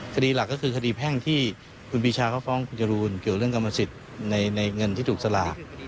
คดีหลักก็คือคดีแพ่งที่คุณปีชาเขาฟ้องคุณจรูนเกี่ยวเรื่องกรรมสิทธิ์ในเงินที่ถูกสลาก